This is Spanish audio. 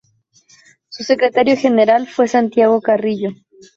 Su secretario general fue Santiago Carrillo.